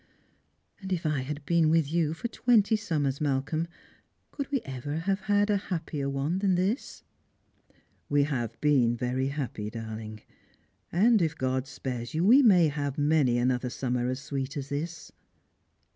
And if I had been with you for twenty summers, Malcolm, could we ever have had a happier one than this ?"" We have been very happy, darling. And if God spares you we may have many another summer as sweet as this."